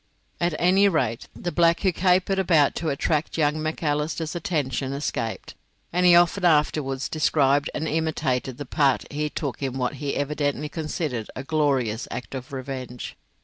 At any rate, the black who capered about to attract young Macalister's attention escaped, and he often afterwards described and imitated the part he took in what he evidently considered a glorious act of revenge.